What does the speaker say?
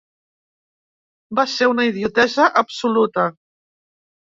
Va ser una idiotesa absoluta.